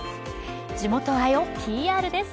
地元愛をＰＲです。